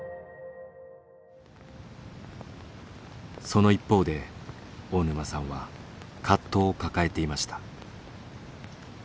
その一方で大沼さんは葛藤を抱えていました。